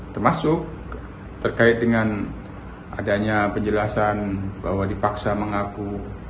termasuk terkait dengan adanya penjelasan bahwa dipaksa mengaku